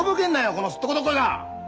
このすっとこどっこいが！